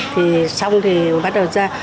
thì xong thì bắt đầu ra